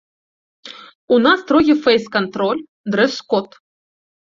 У нас строгі фэйс-кантроль, дрэс-код.